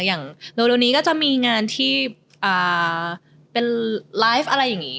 อย่างเร็วนี้ก็จะมีงานที่เป็นไลฟ์อะไรอย่างนี้